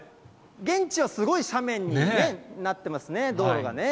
現地はすごい斜面にね、なってますね、道路がね。